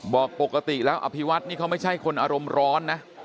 บอกปกติแล้วอภิวัตนี่เขาไม่ใช่คนอารมณ์ร้อนนะ